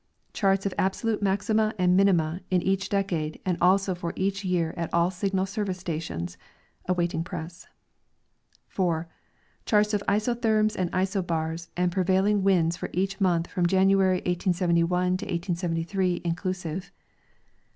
Charts of absolute maxima and minima in each decade and also for each year at all Signal service stations (awaiting press). 4. Charts of isotherms and isobars and prevailing winds for each month from January, 1871, to 1873. inclusive.